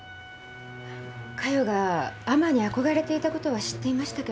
嘉代が海女に憧れていたことは知っていましたけど。